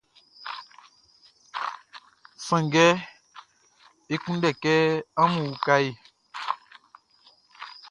Sanngɛ e kunndɛ kɛ amun uka e.